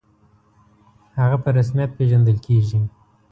«هغه» په رسمیت پېژندل کېږي.